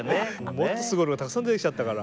もっとすごいのたくさん出てきちゃったから。